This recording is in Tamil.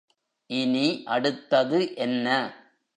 இனி அடுத்தது என்ன?